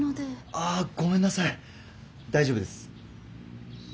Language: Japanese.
あごめんなさい大丈夫です。